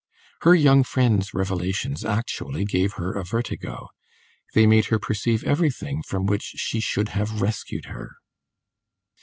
Her young friend's revelations actually gave her a vertigo; they made her perceive everything from which she should have rescued her.